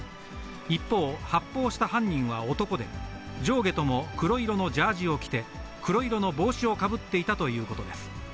一方、発砲した犯人は男で、上下とも黒色のジャージを着て、黒色の帽子をかぶっていたということです。